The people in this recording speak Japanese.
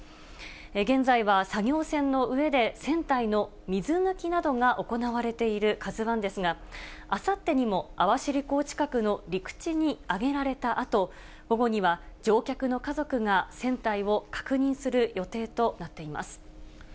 現在は作業船の上で、船体の水抜きなどが行われているＫＡＺＵＩですが、あさってにも網走港近くの陸地に揚げられたあと、午後には乗客の家族が船体を確認する予定となっています。